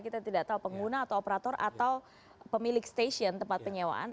kita tidak tahu pengguna atau operator atau pemilik stasiun tempat penyewaan